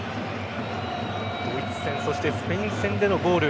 ドイツ戦そしてスペイン戦でのゴール。